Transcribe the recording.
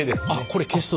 これ消す。